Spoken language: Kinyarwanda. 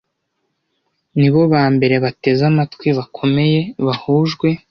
Nibo bambere bateze amatwi bakomeye, bahujwe